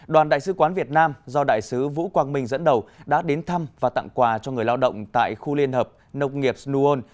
đoàn đại sứ quán việt nam do đại sứ vũ quang minh dẫn đầu đã đến thăm và tặng quà cho người lao động tại khu liên hợp nông nghiệp snuon